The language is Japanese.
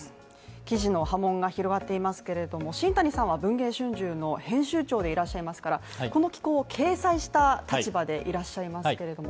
記事の波紋が広がっていますけれども新谷さんは「文藝春秋」の編集長でいらっしゃいますからこの寄稿を掲載した立場でいらっしゃいますけれども、